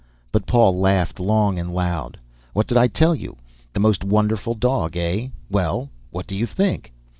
But Paul laughed long and loud. "What did I tell you?—the most wonderful dog, eh? Well, what do you think?"